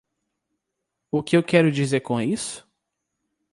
O que eu quero dizer com isso?